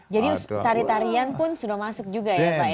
jadi tarian tarian pun sudah masuk juga ya pak